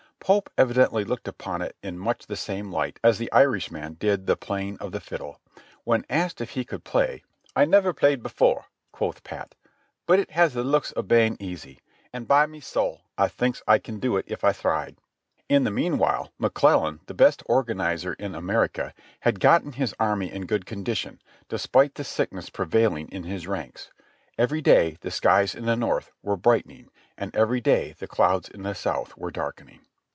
Pope evidently looked upon it much in the same light as the Irishman did the playing of the fiddle. When asked if he could play, "I never played before," quoth Pat, "but it has the looks of baing aisy, and by me sowl I thinks I kin do it if I tliried." In the meanwhile, McClellan, the best organizer in America, had gotten his army in good condition, despite the sickness pre vailing in his ranks. Every day the skies in the North were bright ening, and every day the clouds in the South were darkening.